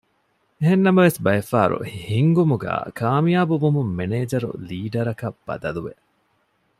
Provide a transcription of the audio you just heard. އެހެންނަމަވެސް ބައެއްފަހަރު ހިންގުމުގައި ކާމިޔާބުވުމުން މެނޭޖަރު ލީޑަރަކަށް ބަދަލުވެ